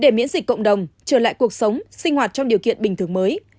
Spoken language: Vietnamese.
để miễn dịch cộng đồng trở lại cuộc sống sinh hoạt trong điều kiện bình thường mới